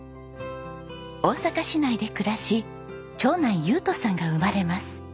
大阪市内で暮らし長男優斗さんが生まれます。